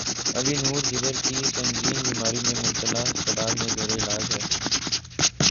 علی نور جگر کی سنگین بیماری میں مبتلا ہسپتال میں زیر علاج